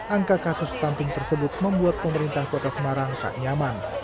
angka kasus stunting tersebut membuat pemerintah kota semarang tak nyaman